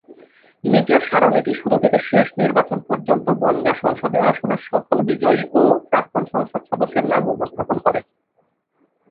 নিচের সারণীটি শুরু থেকে শেষ নির্বাচন পর্যন্ত বনগাঁ সংসদীয় আসনের সকল বিজয়ী ও প্রাক্তন সংসদ সদস্যের নাম উপস্থাপন করে।